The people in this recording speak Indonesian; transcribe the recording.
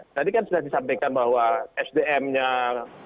tadi kan sudah disampaikan bahwa sdm nya kualitasnya aku